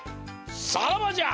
さらばじゃ！